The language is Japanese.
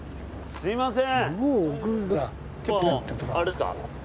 すみません。